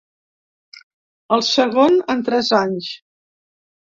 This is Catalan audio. El segon en tres anys.